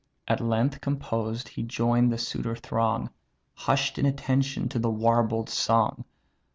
At length, composed, he join'd the suitor throng; Hush'd in attention to the warbled song.